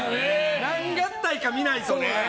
何合体か見ないとね。